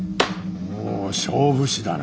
おお勝負師だな。